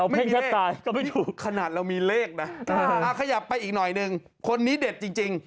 ไม่มีเลขขนาดเรามีเลขนะขยับไปอีกหน่อยนึงคนนี้เด็ดจริง